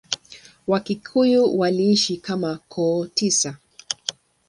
Wakikuyu waliishi kama koo tisa.